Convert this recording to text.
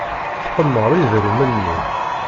Tqemmer idrimen-nni.